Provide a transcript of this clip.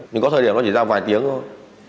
nhưng có thời điểm nó chỉ ra vài tiếng thôi